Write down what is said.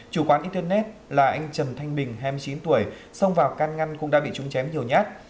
chủ quán internet là anh trần thanh bình hai mươi chín tuổi xông vào can ngăn cũng đã bị chúng chém nhiều nhát